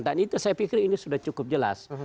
dan itu saya pikir ini sudah cukup jelas